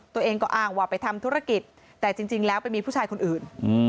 ตัวเองก็อ้างว่าไปทำธุรกิจแต่จริงแล้วไปมีผู้ชายคนอื่น